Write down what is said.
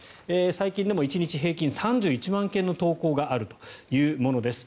最近でも平均１日３１万件の投稿があるということです。